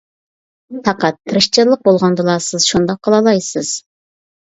پەقەت، تىرىشچانلىق بولغاندىلا سىز شۇنداق قىلالايسىز.